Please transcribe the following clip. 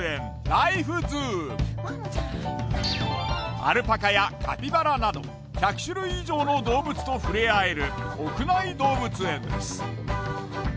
アルパカやカピバラなど１００種類以上の動物と触れ合える屋内動物園です。